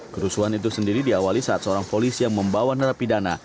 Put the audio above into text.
kerusuhan itu sendiri diawali saat seorang polisi yang membawa narapidana